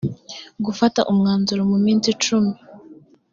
gufata umwanzuro mu minsi icumi